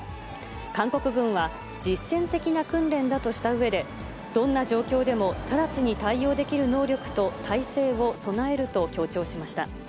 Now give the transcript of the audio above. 韓国軍は実戦的な訓練だとしたうえで、どんな状況でも直ちに対応できる能力と態勢を備えると強調しました。